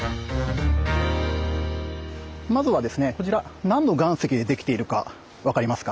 まずはですねこちら何の岩石でできているか分かりますか？